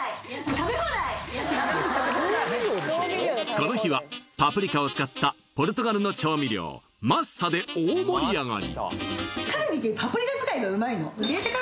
この日はパプリカを使ったポルトガルの調味料マッサで大盛り上がり